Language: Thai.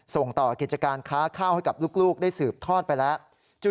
ส่งต่อกิจการค้าข้าวให้กับลูกได้สืบทอดไปแล้ว